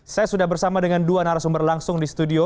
saya sudah bersama dengan dua narasumber langsung di studio